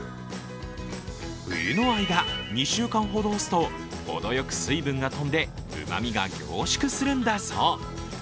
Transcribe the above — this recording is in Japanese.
冬の間、２週間ほど干すと、ほどよく水分が飛んで、うまみが凝縮するんだそう。